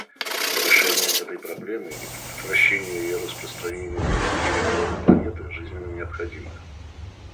Решение этой проблемы и предотвращение ее распространения на другие регионы планеты жизненно необходимы.